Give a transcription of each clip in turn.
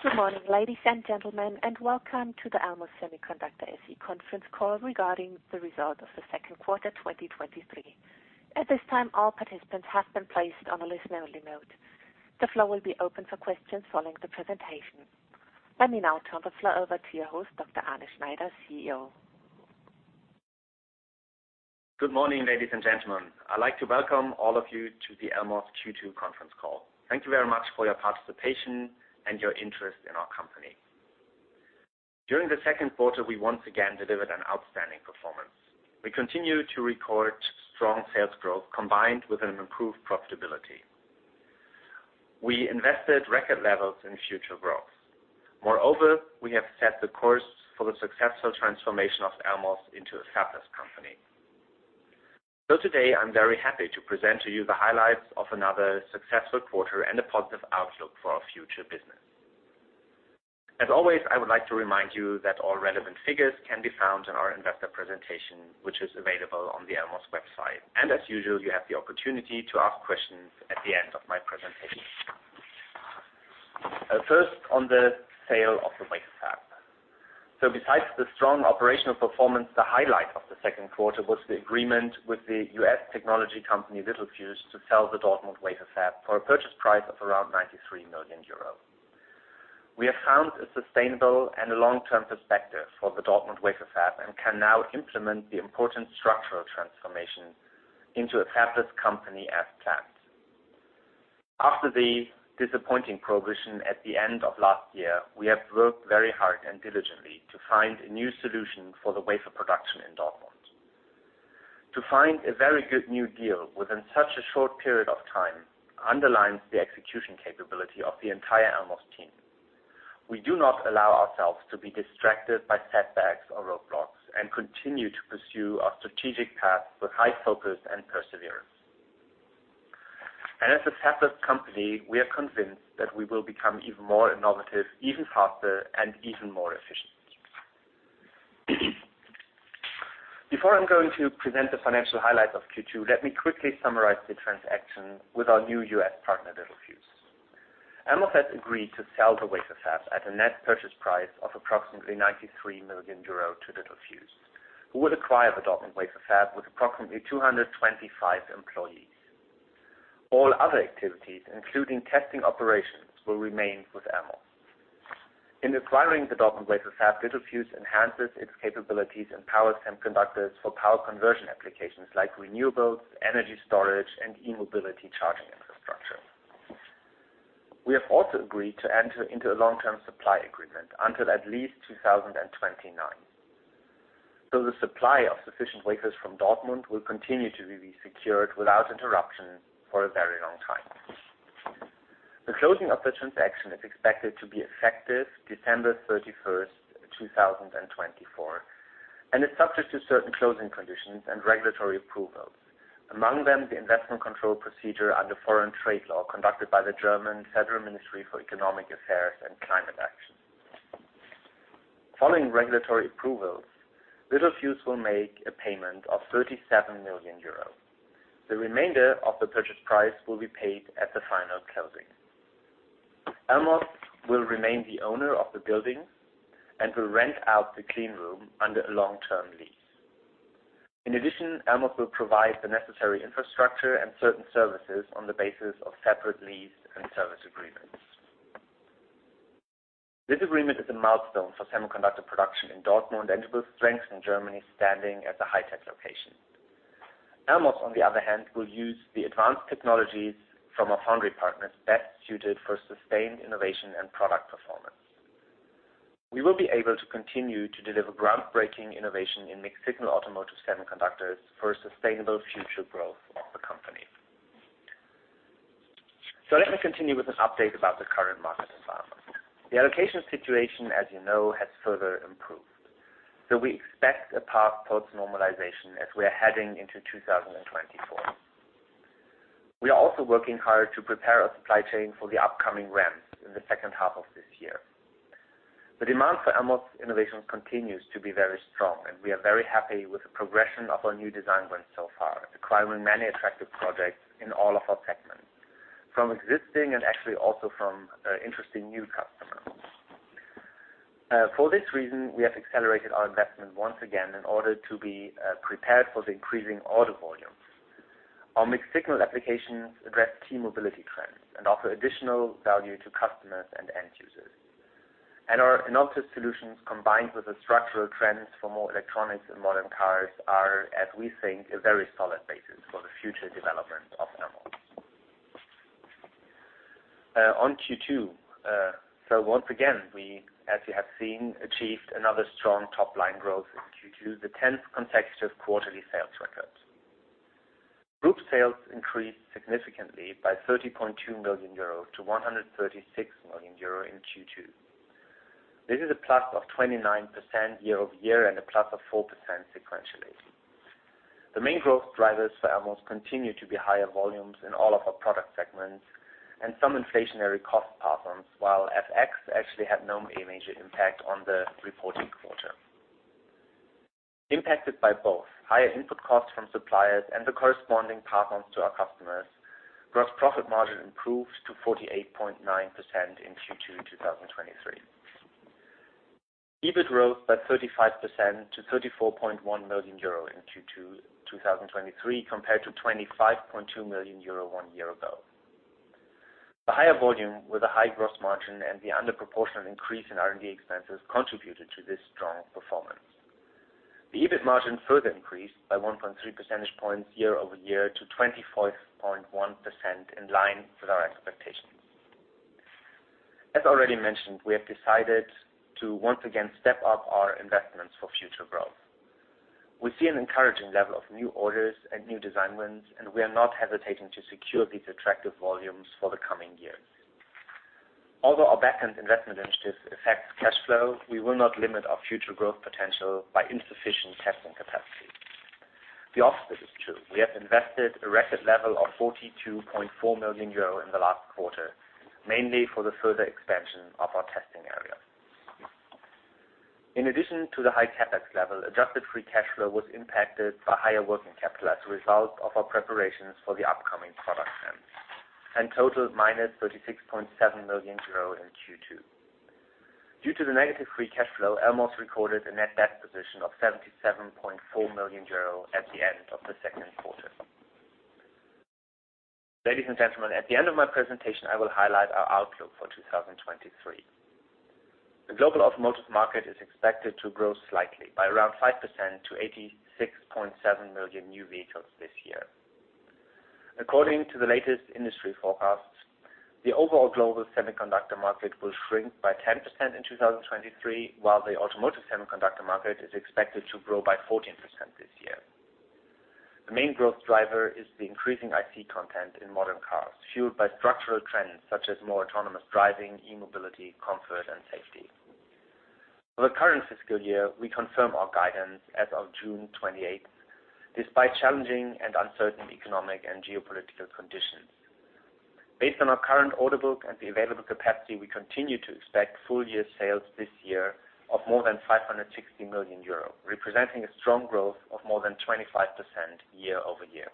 Good morning, ladies and gentlemen, and welcome to the Elmos Semiconductor SE conference call regarding the result of the second quarter, 2023. At this time, all participants have been placed on a listen-only mode. The floor will be open for questions following the presentation. Let me now turn the floor over to your host, Dr. Arne Schneider, CEO. Good morning, ladies and gentlemen. I'd like to welcome all of you to the Elmos Q2 conference call. Thank you very much for your participation and your interest in our company. During the second quarter, we once again delivered an outstanding performance. We continued to record strong sales growth combined with an improved profitability. We invested record levels in future growth. We have set the course for the successful transformation of Elmos into a fabless company. Today, I'm very happy to present to you the highlights of another successful quarter and a positive outlook for our future business. As always, I would like to remind you that all relevant figures can be found in our investor presentation, which is available on the Elmos website, and as usual, you have the opportunity to ask questions at the end of my presentation. First, on the sale of the wafer fab. Besides the strong operational performance, the highlight of the second quarter was the agreement with the U.S. technology company, Littelfuse, to sell the Dortmund wafer fab for a purchase price of around 93 million euros. We have found a sustainable and a long-term perspective for the Dortmund wafer fab and can now implement the important structural transformation into a fabless company as planned. After the disappointing progression at the end of last year, we have worked very hard and diligently to find a new solution for the wafer production in Dortmund. To find a very good new deal within such a short period of time underlines the execution capability of the entire Elmos team. We do not allow ourselves to be distracted by setbacks or roadblocks and continue to pursue our strategic path with high focus and perseverance. As a fabless company, we are convinced that we will become even more innovative, even faster, and even more efficient. Before I'm going to present the financial highlights of Q2, let me quickly summarize the transaction with our new U.S. partner, Littelfuse. Elmos has agreed to sell the wafer fab at a net purchase price of approximately 93 million euro to Littelfuse, who will acquire the Dortmund wafer fab with approximately 225 employees. All other activities, including testing operations, will remain with Elmos. In acquiring the Dortmund wafer fab, Littelfuse enhances its capabilities and power semiconductors for power conversion applications like renewables, energy storage, and e-mobility charging infrastructure. We have also agreed to enter into a long-term supply agreement until at least 2029. The supply of sufficient wafers from Dortmund will continue to be secured without interruption for a very long time. The closing of the transaction is expected to be effective December 31st, 2024, and is subject to certain closing conditions and regulatory approvals, among them, the investment control procedure under foreign trade law conducted by the German Federal Ministry for Economic Affairs and Climate Action. Following regulatory approvals, Littelfuse will make a payment of 37 million euros. The remainder of the purchase price will be paid at the final closing. Elmos will remain the owner of the building and will rent out the clean room under a long-term lease. In addition, Elmos will provide the necessary infrastructure and certain services on the basis of separate lease and service agreements. This agreement is a milestone for semiconductor production in Dortmund and will strengthen Germany's standing as a high-tech location. Elmos, on the other hand, will use the advanced technologies from our foundry partners best suited for sustained innovation and product performance. We will be able to continue to deliver groundbreaking innovation in mixed-signal automotive semiconductors for a sustainable future growth of the company. Let me continue with an update about the current market environment. The allocation situation, as you know, has further improved. We expect a path towards normalization as we are heading into 2024. We are also working hard to prepare our supply chain for the upcoming ramps in the second half of this year. The demand for Elmos innovations continues to be very strong, and we are very happy with the progression of our new design wins so far, acquiring many attractive projects in all of our segments, from existing and actually also from interesting new customers. For this reason, we have accelerated our investment once again in order to be prepared for the increasing order volumes. Our mixed-signal applications address key mobility trends and offer additional value to customers and end users. Our analysis solutions, combined with the structural trends for more electronics and modern cars, are, as we think, a very solid basis for the future development of Elmos. On Q2, once again, we, as you have seen, achieved another strong top-line growth in Q2, the 10th consecutive quarterly sales record. Group sales increased significantly by 30.2 million euro to 136 million euro in Q2. This is a plus of 29% year-over-year and a plus of 4% sequentially. The main growth drivers for Elmos continue to be higher volumes in all of our product segments and some inflationary cost pass-ons, while FX actually had no major impact on the reporting quarter. Impacted by both higher input costs from suppliers and the corresponding pass-ons to our customers, gross profit margin improved to 48.9% in Q2 2023. EBIT rose by 35% to 34.1 million euro in Q2 2023, compared to 25.2 million euro one year ago. The higher volume with a high gross margin and the under proportional increase in R&D expenses contributed to this strong performance. The EBIT margin further increased by 1.3 percentage points year-over-year to 24.1%, in line with our expectations. As already mentioned, we have decided to once again step up our investments for future growth. We see an encouraging level of new orders and new design wins, and we are not hesitating to secure these attractive volumes for the coming years. Although our backend investment initiatives affect cash flow, we will not limit our future growth potential by insufficient testing capacity. The opposite is true. We have invested a record level of 42.4 million euro in the last quarter, mainly for the further expansion of our testing area. In addition to the high CapEx level, adjusted free cash flow was impacted by higher working capital as a result of our preparations for the upcoming product trend, and totaled -36.7 million euro in Q2. Due to the negative free cash flow, Elmos recorded a net debt position of 77.4 million euro at the end of the second quarter. Ladies and gentlemen, at the end of my presentation, I will highlight our outlook for 2023. The global automotive market is expected to grow slightly by around 5% to 86.7 million new vehicles this year. According to the latest industry forecasts, the overall global semiconductor market will shrink by 10% in 2023, while the automotive semiconductor market is expected to grow by 14% this year. The main growth driver is the increasing IC content in modern cars, fueled by structural trends such as more autonomous driving, e-mobility, comfort, and safety. For the current fiscal year, we confirm our guidance as of June 28th, despite challenging and uncertain economic and geopolitical conditions. Based on our current order book and the available capacity, we continue to expect full year sales this year of more than 560 million euro, representing a strong growth of more than 25% year-over-year.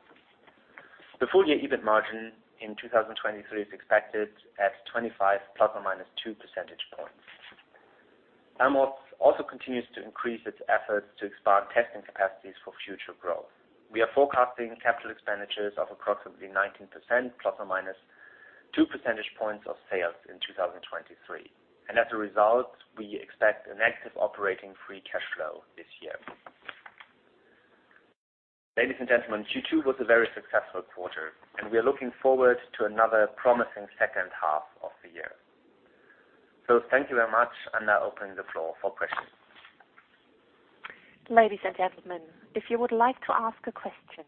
The full year EBIT margin in 2023 is expected at 25, ±2 percentage points. Elmos also continues to increase its efforts to expand testing capacities for future growth. We are forecasting capital expenditures of approximately 19%, ±2 percentage points of sales in 2023. As a result, we expect a negative operating free cash flow this year. Ladies and gentlemen, Q2 was a very successful quarter, and we are looking forward to another promising second half of the year. Thank you very much, and now opening the floor for questions. Ladies and gentlemen, if you would like to ask a question,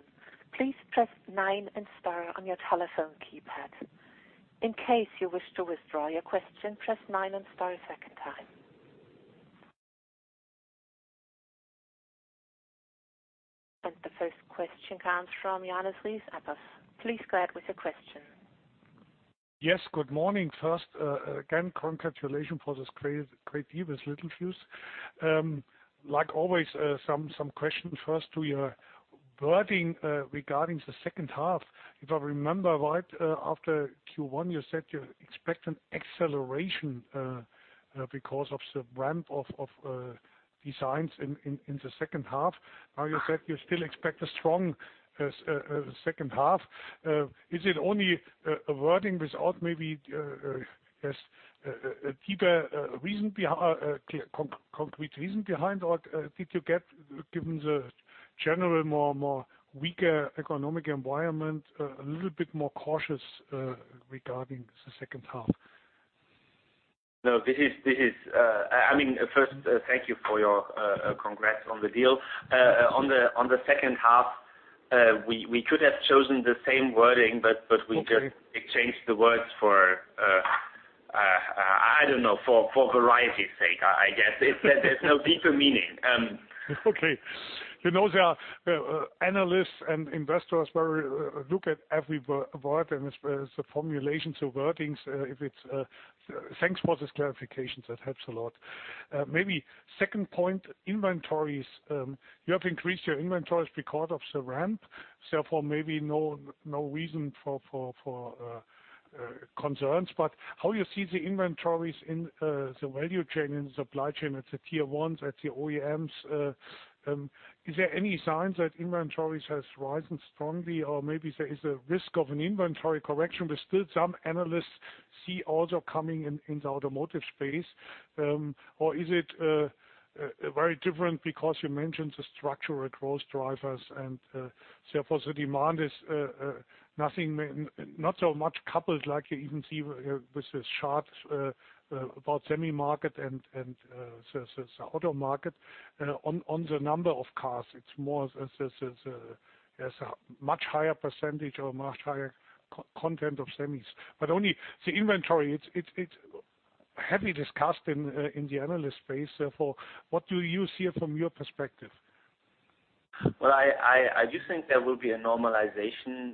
please press nine and star on your telephone keypad. In case you wish to withdraw your question, press nine and star a second time. The first question comes from Johannes Ries, Apus. Please go ahead with your question. Good morning. First, again, congratulations for this great deal with Littelfuse. Like always, some questions. First, to your wording regarding the second half. If I remember right, after Q1, you said you expect an acceleration because of the ramp of designs in the second half. You said you still expect a strong second half. Is it only a wording without maybe yes, a deeper reason clear, concrete reason behind, or did you get, given the general, more, more weaker economic environment, a little bit more cautious regarding the second half? This is, I mean, first, thank you for your congrats on the deal. On the second half, we could have chosen the same wording, but we. Okay. Changed the words for, I don't know, for variety's sake, I guess. There's no deeper meaning. Okay. You know, there are, analysts and investors where, look at every word and the formulations or wordings, if it's, thanks for this clarification. That helps a lot. Maybe second point, inventories. You have increased your inventories because of the ramp, therefore, maybe no reason for concerns. How you see the inventories in the value chain and supply chain at the Tier 1s, at the OEMs, is there any signs that inventories has risen strongly, or maybe there is a risk of an inventory correction that still some analysts see also coming in the automotive space? Or is it very different because you mentioned the structural growth drivers and therefore the demand is not so much coupled, like you even see with this chart about semi market and the auto market on the number of cars. It's more as a much higher percentage or much higher content of semis. Only the inventory, it's heavily discussed in the analyst space. What do you see it from your perspective? Well, I do think there will be a normalization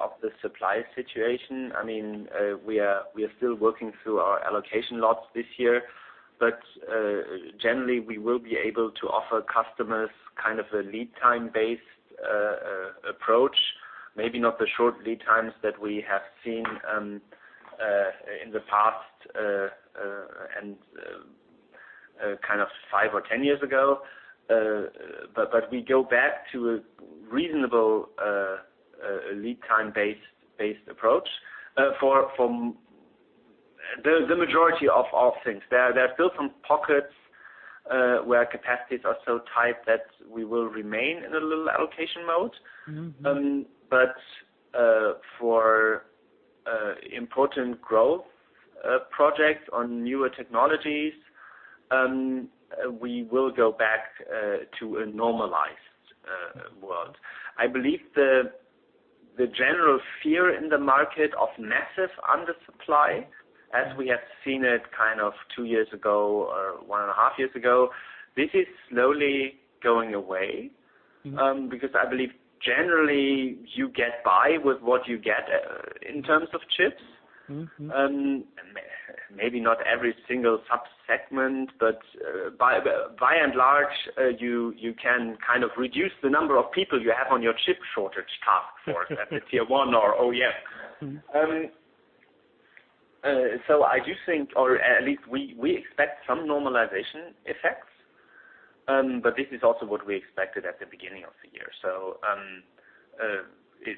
of the supply situation. I mean, we are still working through our allocation lots this year, generally, we will be able to offer customers kind of a lead time-based approach. Maybe not the short lead times that we have seen in the past, and kind of five or 10 years ago. We go back to a reasonable lead time-based approach from the majority of things. There are still some pockets where capacities are so tight that we will remain in a little allocation mode. Mm-hmm. For important growth projects on newer technologies, we will go back to a normalized world. I believe the general fear in the market of massive undersupply, as we have seen it kind of two years ago or 1.5 years ago, this is slowly going away. Mm-hmm. Because I believe generally you get by with what you get, in terms of chips. Mm-hmm. Maybe not every single subsegment, but by and large, you can kind of reduce the number of people you have on your chip shortage task force at the Tier 1 or OEM. Mm-hmm. I do think, or at least we expect some normalization effects, but this is also what we expected at the beginning of the year.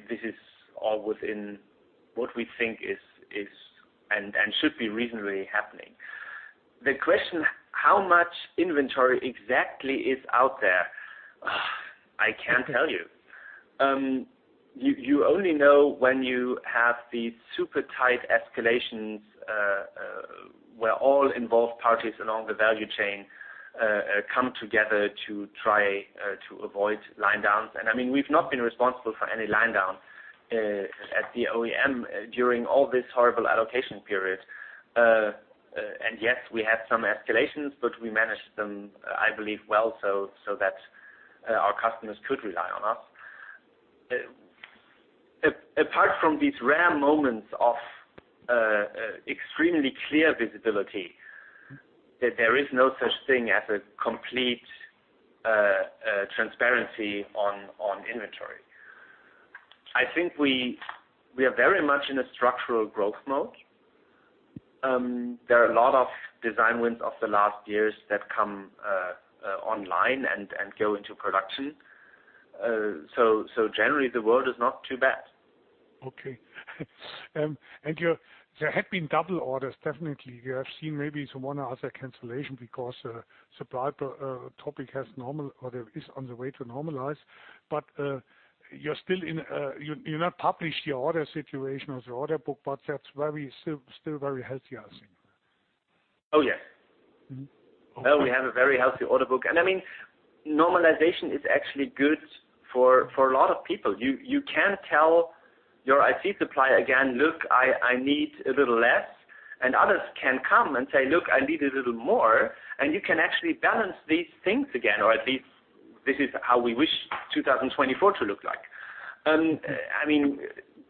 This is all within what we think is and should be reasonably happening. The question, how much inventory exactly is out there? I can't tell you. You only know when you have these super tight escalations where all involved parties along the value chain come together to try to avoid line downs. I mean, we've not been responsible for any line down at the OEM during all this horrible allocation period. Yes, we had some escalations, but we managed them, I believe, well, so that our customers could rely on us. Apart from these rare moments of extremely clear visibility, that there is no such thing as a complete transparency on inventory. I think we are very much in a structural growth mode. There are a lot of design wins of the last years that come online and go into production. Generally, the world is not too bad. Okay. There have been double orders, definitely. You have seen maybe some one or other cancellation because supply topic has normal or is on the way to normalize. You're still in, you not published your order situation or the order book, but that's very still very healthy, I think. Oh, yes. Mm-hmm. We have a very healthy order book. I mean, normalization is actually good for a lot of people. You can tell your IC supplier again, "Look, I need a little less," and others can come and say, "Look, I need a little more," and you can actually balance these things again, or at least this is how we wish 2024 to look like. I mean,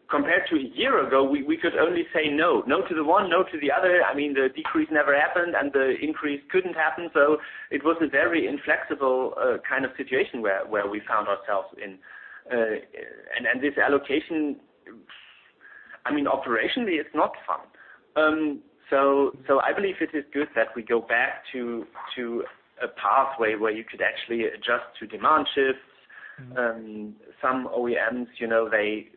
compared to a year ago, we could only say no. No to the one, no to the other. I mean, the decrease never happened, and the increase couldn't happen. It was a very inflexible kind of situation where we found ourselves in. This allocation, I mean, operationally, it's not fun. I believe it is good that we go back to a pathway where you could actually adjust to demand shifts. Mm-hmm. Some OEMs, you know, they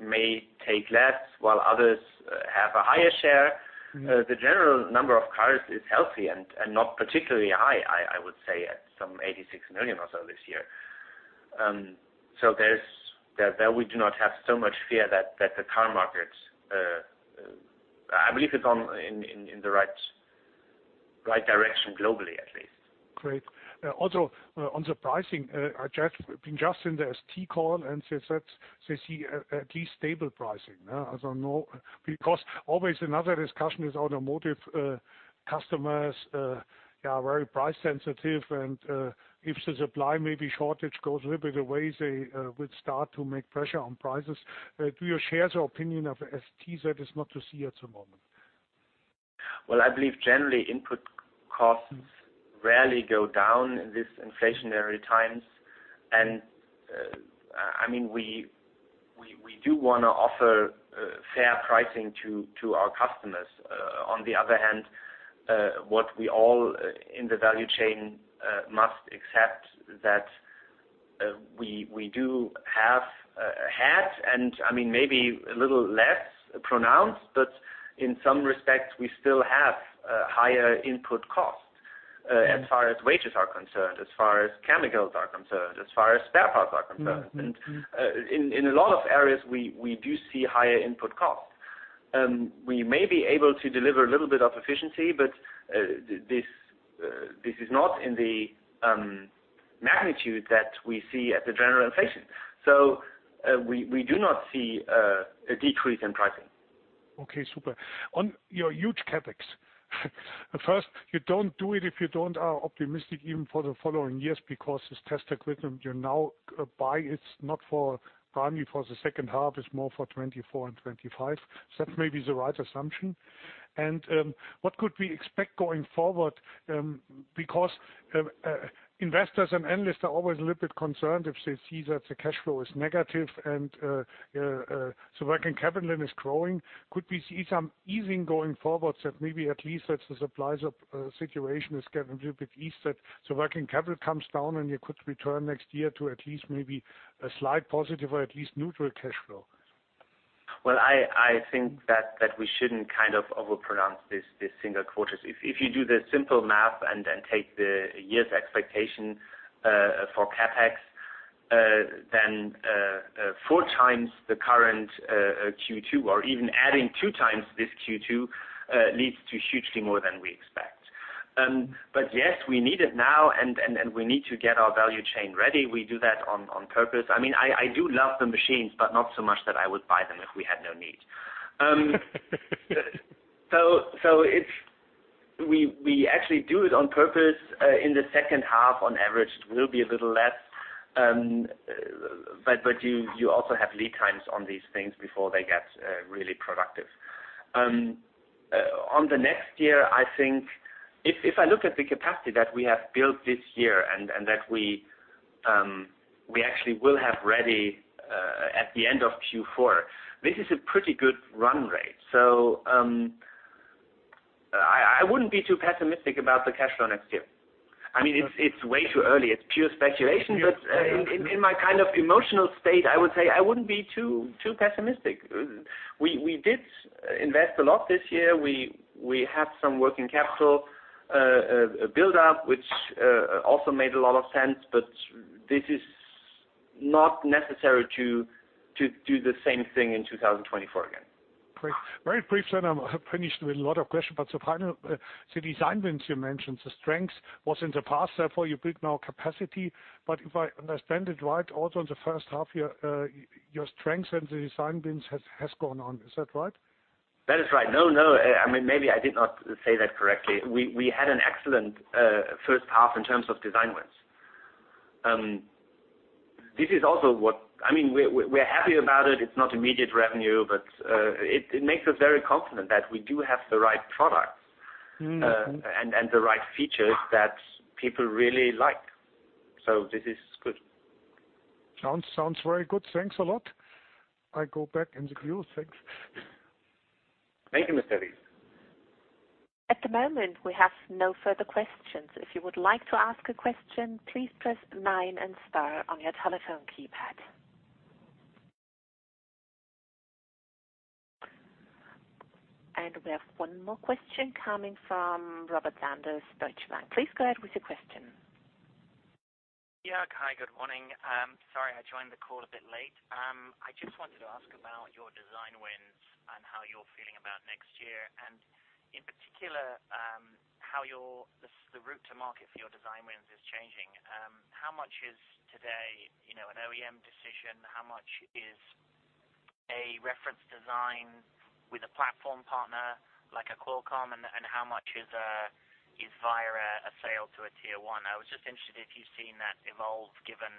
may take less, while others have a higher share. Mm-hmm. The general number of cars is healthy and not particularly high, I would say, at some 86 million or so this year. There we do not have so much fear that the car market. I believe it's on, in the right direction, globally, at least. Great. Also, on the pricing, I just been just in the STMicroelectronics call, and they said they see a at least stable pricing. As I know, because always another discussion is automotive, customers, are very price sensitive, and, if the supply may be shortage goes a little bit away, they, will start to make pressure on prices. Do you share the opinion of STMicroelectronics, that is not to see at the moment? Well, I believe generally, input costs rarely go down in this inflationary times. I mean, we do wanna offer fair pricing to our customers. On the other hand, what we all in the value chain must accept that we do have had, and I mean, maybe a little less pronounced, but in some respects, we still have higher input costs. Mm-hmm. As far as wages are concerned, as far as chemicals are concerned, as far as spare parts are concerned. Mm-hmm. In a lot of areas, we do see higher input costs. We may be able to deliver a little bit of efficiency, but this is not in the magnitude that we see at the general inflation. We do not see a decrease in pricing. Okay, super. On your huge CapEx, first, you don't do it if you don't, are optimistic even for the following years, because this test equipment you now buy, it's not for primarily for the second half, it's more for 2024 and 2025. That may be the right assumption. What could we expect going forward? Because investors and analysts are always a little bit concerned if they see that the cash flow is negative and so working capital then is growing. Could we see some easing going forward, that maybe at least that the supplies of situation is getting a little bit easier, so working capital comes down and you could return next year to at least maybe a slight positive or at least neutral cash flow? I think that we shouldn't kind of overpronounce this single quarter. If you do the simple math and then take the year's expectation for CapEx, then four times the current Q2, or even adding two times this Q2, leads to hugely more than we expect. Yes, we need it now, and we need to get our value chain ready. We do that on purpose. I mean, I do love the machines, but not so much that I would buy them if we had no need. We actually do it on purpose. In the second half, on average, it will be a little less. But you also have lead times on these things before they get really productive. On the next year, I think if I look at the capacity that we have built this year and that we actually will have ready at the end of Q4, this is a pretty good run rate. I wouldn't be too pessimistic about the cash flow next year. I mean, it's way too early. It's pure speculation. Yes, I understand. In my kind of emotional state, I would say I wouldn't be too pessimistic. We did invest a lot this year. We have some working capital buildup, which also made a lot of sense, this is not necessary to do the same thing in 2024 again. Great. Very briefly, then I'm finished with a lot of questions. Finally, the design wins you mentioned, the strength was in the past, therefore, you build more capacity. If I understand it right, also in the first half, your strengths and the design wins has gone on. Is that right? That is right. No, I mean, maybe I did not say that correctly. We had an excellent first half in terms of design wins. This is also what, I mean, we're happy about it. It's not immediate revenue, but it makes us very confident that we do have the right products. Mm-hmm. The right features that people really like. This is good. Sounds very good. Thanks a lot. I go back in the queue. Thanks. Thank you, Johannes. At the moment, we have no further questions. If you would like to ask a question, please press nine and star on your telephone keypad. We have one more question coming from Robert Sanders, Deutsche Bank. Please go ahead with your question. Hi, good morning. Sorry, I joined the call a bit late. I just wanted to ask about your design wins and how you're feeling about next year, and in particular, how your the route to market for your design wins is changing. How much is today, you know, an OEM decision, how much is a reference design with a platform partner, like a Qualcomm, and how much is via a sale to a Tier 1? I was just interested if you've seen that evolve, given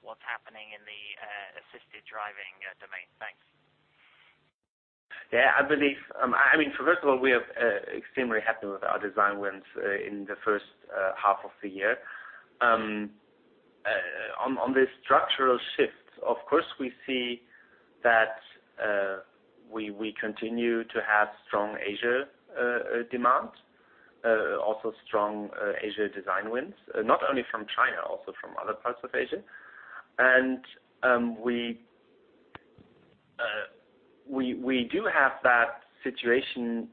what's happening in the assisted driving domain. Thanks. I believe, I mean, first of all, we are extremely happy with our design wins in the first half of the year. On this structural shift, of course, we see that we continue to have strong Asia demand, also strong Asia design wins, not only from China, also from other parts of Asia. We do have that situation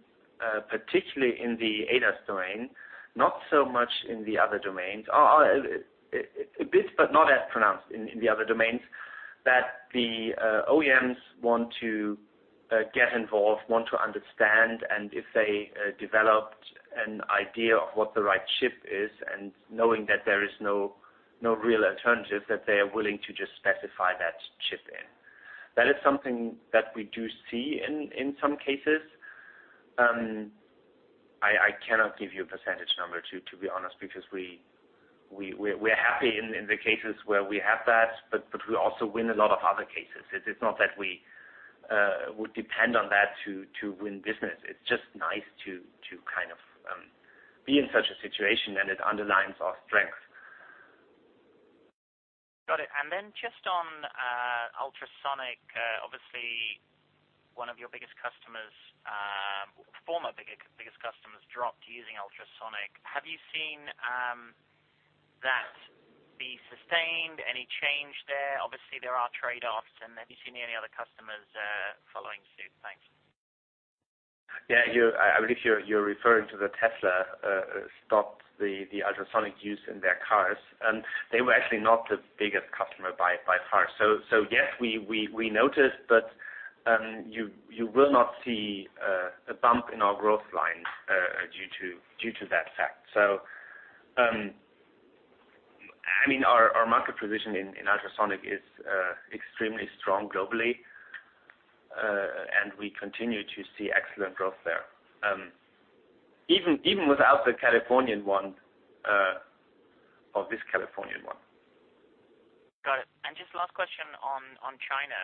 particularly in the ADAS domain, not so much in the other domains. A bit, but not as pronounced in the other domains, that the OEMs want to get involved, want to understand, and if they developed an idea of what the right chip is and knowing that there is no real alternative, that they are willing to just specify that chip in. That is something that we do see in some cases. I cannot give you a percentage number to be honest, because we're happy in the cases where we have that, but we also win a lot of other cases. It's, it's not that we would depend on that to win business. It's just nice to kind of, be in such a situation, and it underlines our strength. Got it. Just on ultrasonic, obviously, one of your biggest customers, former biggest customers, dropped using ultrasonic. Have you seen that be sustained? Any change there? Obviously, there are trade-offs. Have you seen any other customers following suit? Thanks. You, I believe you're referring to the Tesla stopped the ultrasonic use in their cars, and they were actually not the biggest customer by far. Yes, we noticed, but you will not see a bump in our growth line due to that fact. I mean, our market position in ultrasonic is extremely strong globally, and we continue to see excellent growth there. Even without the Californian one, or this Californian one. Got it. Just last question on China.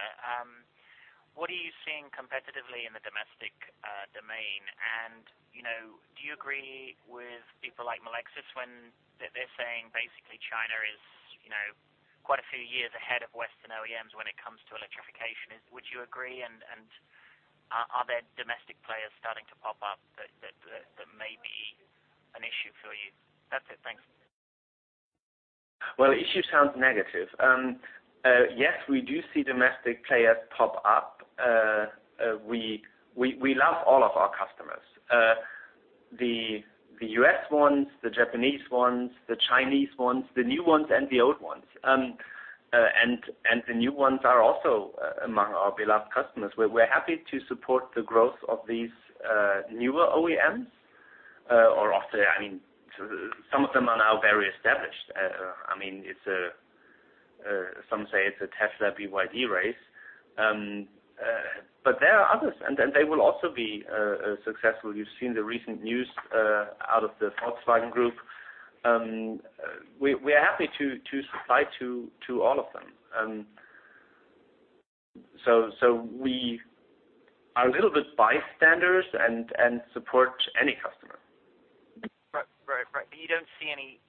What are you seeing competitively in the domestic domain? You know, do you agree with people like Melexis when they're saying basically China is, you know, quite a few years ahead of Western OEMs when it comes to electrification? Would you agree, and are there domestic players starting to pop up that may be an issue for you? That's it. Thanks. Well, issue sounds negative. Yes, we do see domestic players pop up. We love all of our customers. The U.S. ones, the Japanese ones, the Chinese ones, the new ones, and the old ones. The new ones are also among our beloved customers. We're happy to support the growth of these newer OEMs, or often, I mean, some of them are now very established. I mean, it's a, some say it's a Tesla-BYD race. There are others, and then they will also be successful. You've seen the recent news out of the Volkswagen Group. We are happy to supply to all of them. We are a little bit bystanders and support any customer. Right. Right, right. You don't see any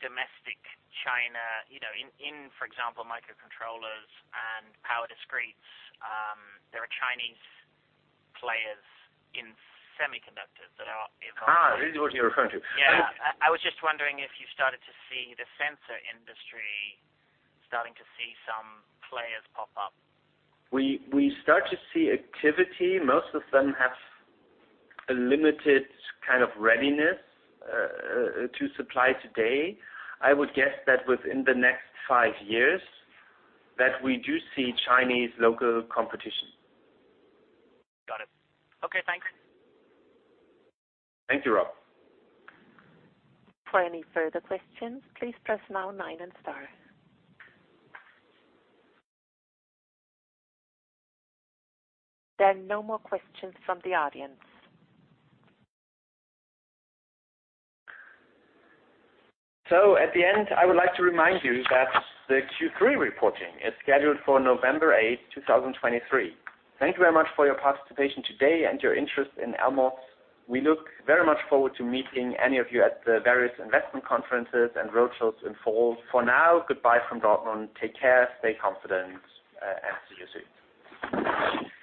domestic China, you know, in, for example, microcontrollers and power discretes. There are Chinese players in semiconductors that are. I see what you're referring to. Yeah. I was just wondering if you started to see the sensor industry starting to see some players pop up? We start to see activity. Most of them have a limited kind of readiness to supply today. I would guess that within the next five years, that we do see Chinese local competition. Got it. Okay, thanks. Thank you, Rob. For any further questions, please press now nine and star. There are no more questions from the audience. At the end, I would like to remind you that the Q3 reporting is scheduled for November 8th, 2023. Thank you very much for your participation today and your interest in Elmos. We look very much forward to meeting any of you at the various investment conferences and roadshows in fall. For now, goodbye from Dortmund. Take care, stay confident, and see you soon.